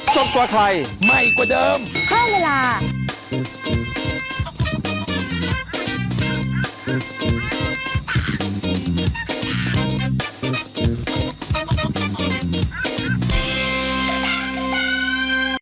โปรดติดตามตอนต่อไป